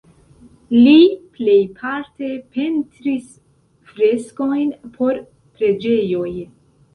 Li plejparte pentris freskojn por preĝejoj.